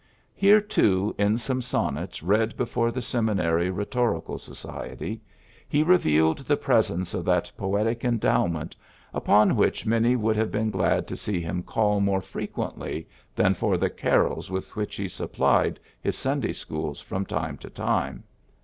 Here, too, in some sonnets read before the seminary Ehetorical Society, he revealed the presence of that poetic endowment upon which many would have been glad to see him call more frequently than for the carols with which he supplied his Sunday schools from time to time.